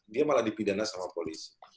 dia malah dipidana sama polisi